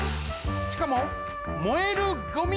しかも燃えるゴミ。